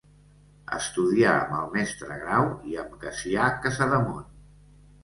Estudià amb el mestre Grau i amb Cassià Casademont.